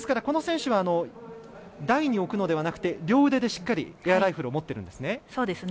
この選手も、台に置くのではなく両腕でしっかりエアライフルを持ってるんですね。